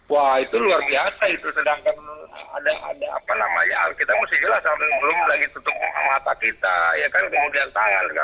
wah itu luar biasa itu sedangkan ada apa namanya kita mesti jelas belum lagi tutup mata kita ya kan kemudian tangan kan